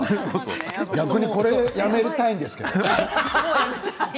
逆にこれをやめたいんですけど。